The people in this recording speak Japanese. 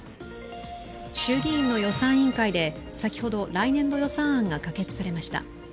衆議院の予算委員会で、先ほど来年度予算案が可決されました。